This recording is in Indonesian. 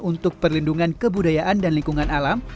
untuk perlindungan kebudayaan dan lingkungan alam